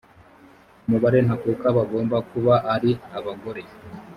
umubare ntakuka bagomba kuba ari abagore